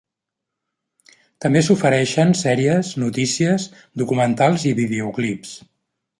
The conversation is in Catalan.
També s'ofereixen sèries, notícies, documentals i videoclips.